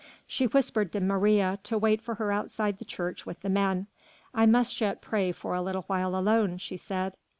She whispered to Maria to wait for her outside the church with the men. "I must yet pray for a little while alone," she said.